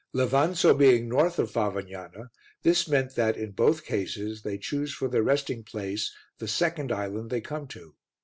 Levanzo being north of Favognana this meant that, in both cases, they choose for their resting place the second island they come to.